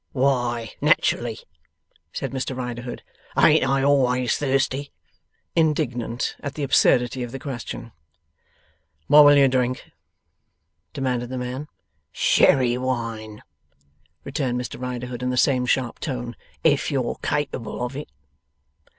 'Why nat'rally,' said Mr Riderhood, 'ain't I always thirsty!' (Indignant at the absurdity of the question.) 'What will you drink?' demanded the man. 'Sherry wine,' returned Mr Riderhood, in the same sharp tone, 'if you're capable of it.